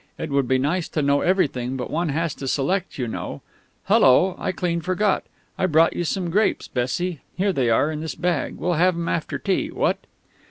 It would be nice to know everything, but one has to select, you know. Hallo, I clean forgot; I brought you some grapes, Bessie; here they are, in this bag; we'll have 'em after tea, what?"